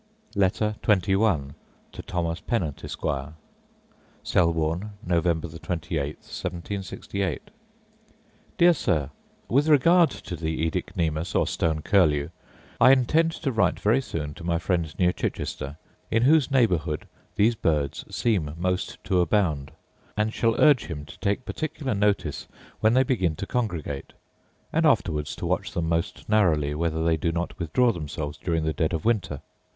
Letter XXI To Thomas Pennant, Esquire Selborne, Nov. 28, 1768. Dear Sir, With regard to the oedicnemus, or stone curlew, I intend to write very soon to my friend near Chichester, in whose neighbourhood these birds seem most to abound; and shall urge him to take particular notice when they begin to congregate, and afterwards to watch them most narrowly whether they do not withdraw themselves during the dead of the winter.